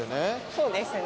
そうですね。